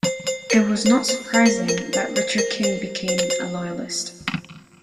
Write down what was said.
It was not surprising that Richard King became a loyalist.